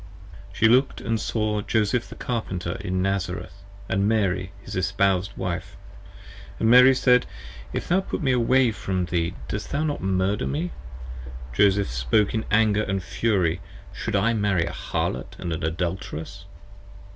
She looked & saw Joseph the Carpenter in Nazareth, & Mary His espoused Wife. And Mary said, If thou put me away from thee 5 Dost thou not murder me? Joseph spoke in anger & fury, Should I Marry a Harlot & an Adulteress?